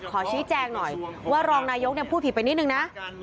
ขอชี้แจงหน่อยว่ารองนายกพูดผิดไปนิดนึงนะ